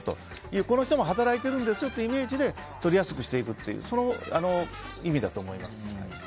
この人も働いているんですよというイメージで取りやすくしていくその意味だと思います。